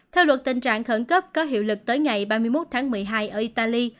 theo luật tình trạng khẩn cấp có hiệu lực tới ngày ba mươi một tháng một mươi hai ở italy